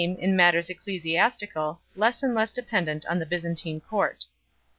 in matters ecclesiastical, less and less dependent on the Byzantine court.